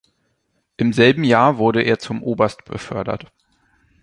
Im selben Jahr wurde er zum Oberst befördert.